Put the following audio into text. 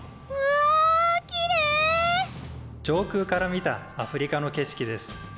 上空から見たアフリカの景色です。